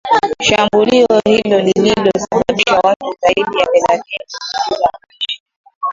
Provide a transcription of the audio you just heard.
shambulio hilo lililo sababisha watu zaidi ya thelathini kupoteza maisha